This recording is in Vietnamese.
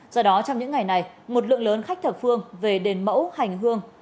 do đó trong những ngày này một lượng lớn khách thập phương về đền mẫu hành hương